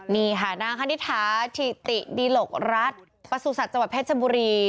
นี่ค่ะนางคณิตถาธิติดีหลกรัฐประสุทธิ์จังหวัดเพชรบุรี